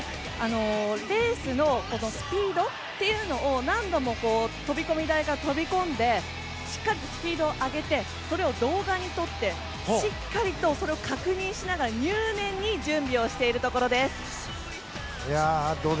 レースのスピードを何度も飛び込み台から飛び込んでしっかりスピードを上げてそれを動画に撮ってそれを確認しながら入念に準備しているところです。